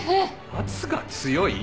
圧が強い？